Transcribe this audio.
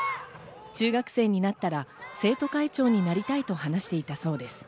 中学生になったら生徒会長になりたいと話していたそうです。